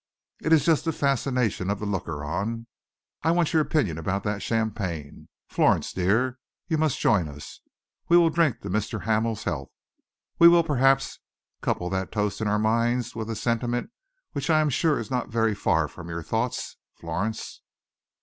It is just the fascination of the looker on. I want your opinion about that champagne. Florence dear, you must join us. We will drink to Mr. Hamel's health. We will perhaps couple that toast in our minds with the sentiment which I am sure is not very far from your thoughts, Florence."